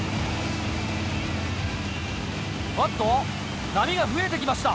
おっと波が増えてきました。